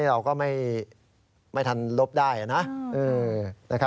เราก็ไม่ทันลบได้นะ